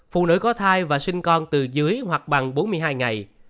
phụ nữ có thai và sinh con từ dưới hoặc bằng bốn mươi hai ngày